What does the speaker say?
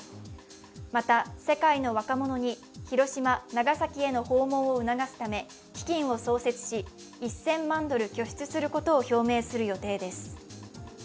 また世界の若者に広島、長崎への訪問を促すため基金を創設し、１０００万ドル拠出することを表明する予定です。